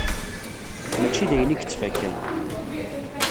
Mačči d ayen i yettfakkan